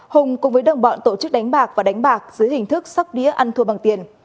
hùng cùng với đồng bọn tổ chức đánh bạc và đánh bạc dưới hình thức sóc đĩa ăn thua bằng tiền